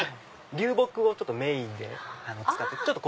流木をメインで使って。